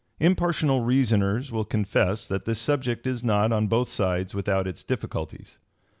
Impartial reasoners will confess that this subject is not, on both sides, without its difficulties.